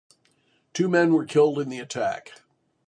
Two men were killed in the attack.